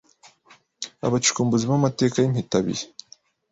abacukumbuzi b’amateka y’impitabihe